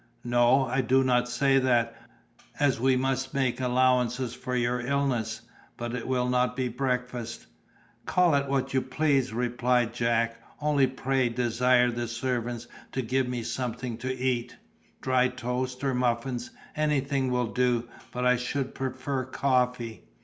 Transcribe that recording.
"No, I do not say that, as we must make allowances for your illness; but it will not be breakfast." "Call it what you please," replied Jack, "only pray desire the servants to give me something to eat. Dry toast or muffins—anything will do, but I should prefer coffee."